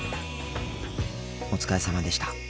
お疲れさまでした。